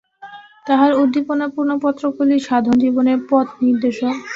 তাঁহার উদ্দীপনাপূর্ণ পত্রগুলি সাধনজীবনের পথনির্দেশক।